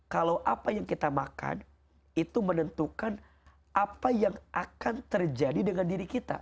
kalau apa yang kita makan itu menentukan apa yang akan terjadi dengan diri kita